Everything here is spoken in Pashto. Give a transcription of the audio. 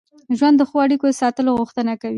ژوند د ښو اړیکو د ساتلو غوښتنه کوي.